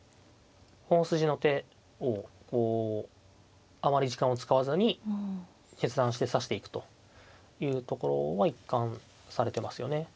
本筋の手をあまり時間を使わずに決断して指していくというところは一貫されてますよね。